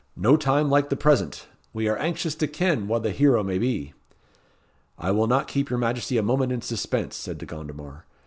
"No time like the present. We are anxious to ken wha the hero may be." "I will not keep your Majesty a moment in suspense," said De Gondomar.